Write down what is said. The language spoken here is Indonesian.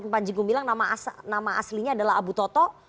pun panjigo bilang nama aslinya adalah abu toto